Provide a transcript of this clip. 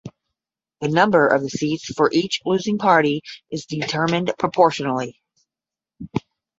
The number of the seats for each losing party is determined proportionally.